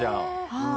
はい。